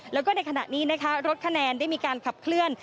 แล้วก็ในขณะนี้นะคะรถคะแนนได้มีการขับเคลื่อน